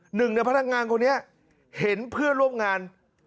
หนึ่งในพนักงานคนนี้เห็นเพื่อนร่วมงาน